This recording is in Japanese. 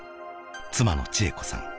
妻のちえ子さん